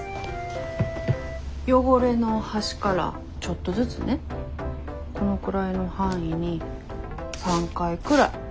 汚れの端からちょっとずつねこのくらいの範囲に３回くらいスプレーして下さい。